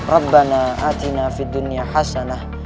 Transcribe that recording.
rabbana atina fid dunya hasanah